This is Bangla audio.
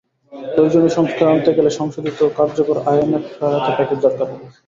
প্রয়োজনীয় সংস্কার আনতে গেলে সংশোধিত ও কার্যকর আইএমএফ সহায়তা প্যাকেজ দরকার হবে।